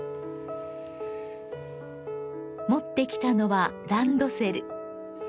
持ってきたのはランドセル。